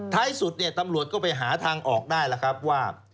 ท้ายสุดเนี่ยตำรวจก็ไปหาทางออกได้แล้วครับว่า